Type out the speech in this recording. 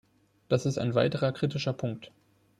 Das ist ein weiterer kritischer Punkt.